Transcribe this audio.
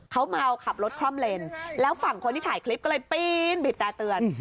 เขาเมาขับรถคล่อมเลนแล้วฝั่งคนที่ถ่ายคลิปก็เลยปีนบีบแต่เตือน